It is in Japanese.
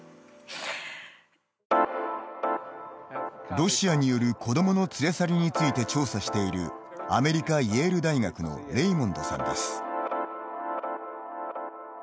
ロシアによる子どもの連れ去りについて調査しているアメリカ、イェール大学のレイモンドさんです。